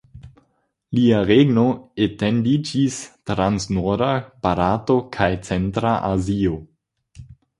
Lia regno etendiĝis trans norda Barato kaj centra Azio.